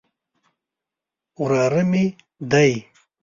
وراره مې دی.